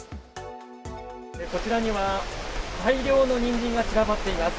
こちらには大量のニンジンが散らばっています。